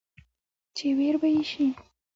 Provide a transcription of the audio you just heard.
چې وېر به يې شي ،